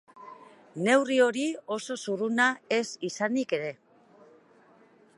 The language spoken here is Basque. Neurri hori oso zurruna ez izanik ere.